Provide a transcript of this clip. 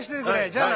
じゃあな。